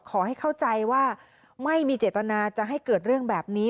ขอให้เข้าใจว่าไม่มีเจตนาจะให้เกิดเรื่องแบบนี้